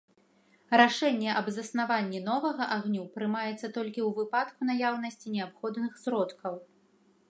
Рашэнне аб заснаванні новага агню прымаецца толькі ў выпадку наяўнасці неабходных сродкаў.